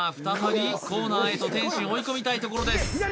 再びコーナーへと天心追い込みたいところです